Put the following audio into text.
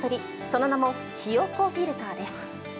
その名もひよこフィルターです。